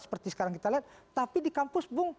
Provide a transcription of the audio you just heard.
seperti sekarang kita lihat tapi di kampus bung